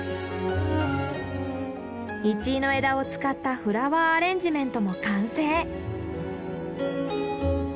イチイの枝を使ったフラワーアレンジメントも完成。